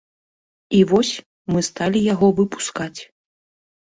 І вось, мы сталі яго выпускаць.